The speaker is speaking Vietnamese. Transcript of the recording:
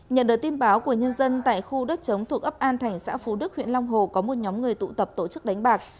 nhận được tin báo của nhân dân tại khu đất chống thuộc ấp an thành xã phú đức huyện long hồ có một nhóm người tụ tập tổ chức đánh bạc